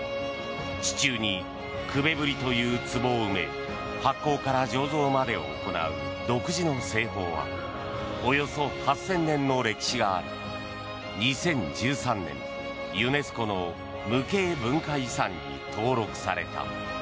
地中にクヴェヴリというつぼを埋め発酵から醸造までを行う独自の製法はおよそ８０００年の歴史があり２０１３年、ユネスコの無形文化遺産に登録された。